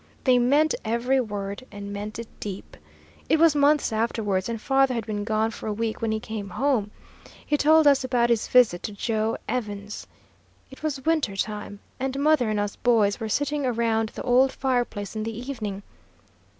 They meant every word and meant it deep. It was months afterwards, and father had been gone for a week when he came home. He told us about his visit to Joe Evans. It was winter time, and mother and us boys were sitting around the old fireplace in the evening.